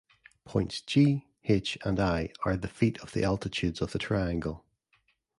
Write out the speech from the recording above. Points "G", "H", and "I" are the feet of the altitudes of the triangle.